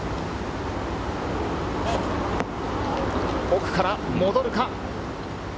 奥から戻るか？